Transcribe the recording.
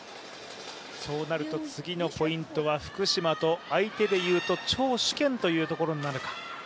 そうなると、次のポイントは福島と相手でいうと、張殊賢となるか。